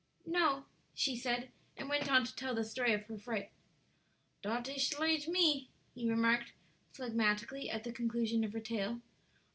"No," she said, and went on to tell the story of her fright. "Dot ish lige me," he remarked, phlegmatically, at the conclusion of her tale.